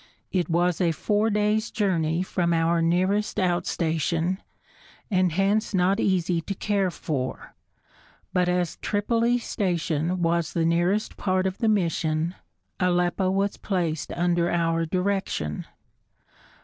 It was a four days' journey from our nearest outstation, and hence not easy to care for; but as Tripoli Station was the nearest part of the mission, Aleppo was placed under our direction.